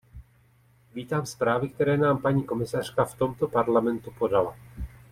Vítám zprávy, které nám paní komisařka v tomto Parlamentu podala.